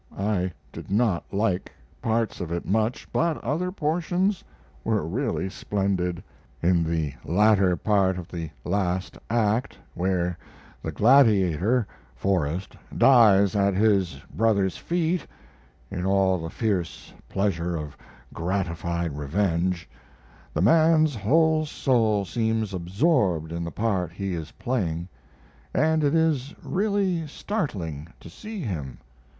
I did not like parts of it much, but other portions were really splendid. In the latter part of the last act, where the "Gladiator" (Forrest) dies at his brother's feet (in all the fierce pleasure of gratified revenge), the man's whole soul seems absorbed in the part he is playing; and it is really startling to see him.